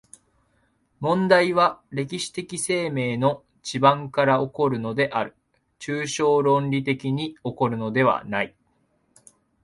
問題は歴史的生命の地盤から起こるのである、抽象論理的に起こるのではない。